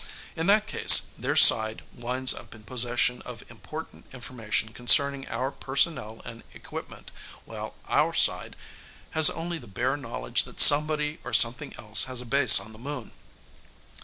In that case, their side winds up in possession of important information concerning our personnel and equipment, while our side has only the bare knowledge that somebody or something else has a base on the Moon.